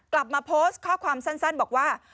กลับมาโพสต์ข้อความสั้นบอกว่า